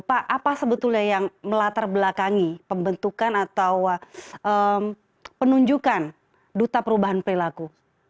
pak apa sebetulnya yang melatar belakangi pembentukan atau penunjukan duta perubahan perilaku